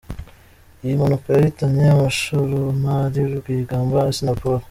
Iyi mpanuka yahitanye umushoramari Rwigamba Assinapol.